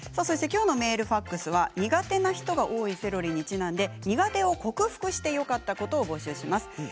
メール、ファックスは苦手な人が多いセロリにちなんで苦手を克服してよかったことを募集します。